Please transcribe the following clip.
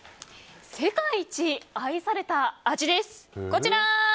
世界一愛された味です。